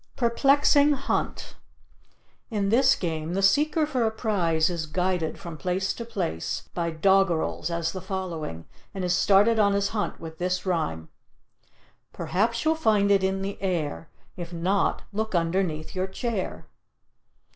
PERPLEXING HUNT In this game the seeker for a prize is guided from place to place by doggerels as the following, and is started on his hunt with this rhyme: "Perhaps you'll find it in the air; If not, look underneath your chair."